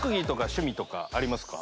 趣味とかありますか？